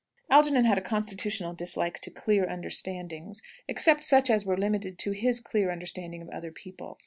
Algernon had a constitutional dislike to "clear understandings," except such as were limited to his clear understanding of other people.